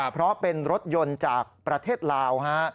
เพราะเป็นรถยนต์จากประเทศลาว